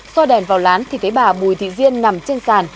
do đèn vào lán thì thấy bà bùi thị diên nằm trên sàn